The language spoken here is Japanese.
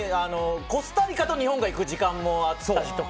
コスタリカと日本がいく時間もあったりとか。